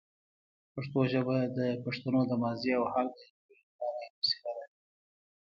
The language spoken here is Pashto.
پښتو ژبه د پښتنو د ماضي او حال بیانولو لپاره یوه وسیله ده.